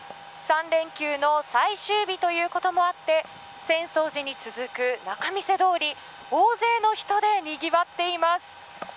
３連休の最終日ということもあって浅草寺に続く仲見世通り大勢の人でにぎわっています。